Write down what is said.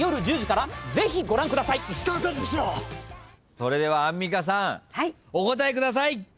それではアンミカさんお答えください。